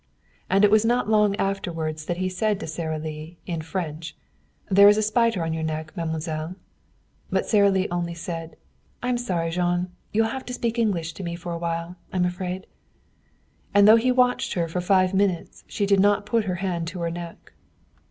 And it was not long afterward that he said to Sara Lee, in French: "There is a spider on your neck, mademoiselle." But Sara Lee only said, "I'm sorry, Jean; you'll have to speak English to me for a while, I'm afraid." And though he watched her for five minutes she did not put her hand to her neck.